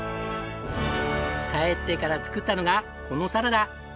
帰ってから作ったのがこのサラダ！